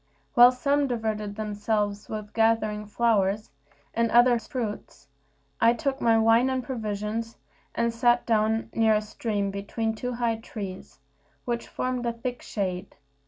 While some diverted themselves with gathering flowers, and others fruits, I took my wine and provisions, and sat down near a stream between two high trees, which formed a thick shade.